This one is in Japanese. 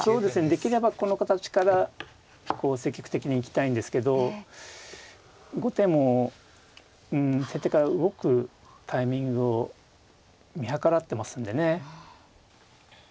できればこの形から積極的に行きたいんですけど後手もうん先手から動くタイミングを見計らってますんでね。